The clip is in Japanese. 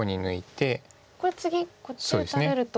これ次こっち打たれると。